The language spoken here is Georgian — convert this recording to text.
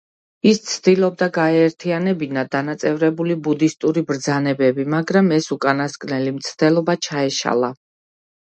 ის ცდილობდა გაეერთიანებინა დანაწევრებული ბუდისტური ბრძანებები, მაგრამ ეს უკანასკნელი მცდელობა ჩაეშალა.